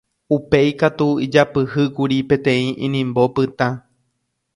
Upéi katu ijapyhýkuri peteĩ inimbo pytã.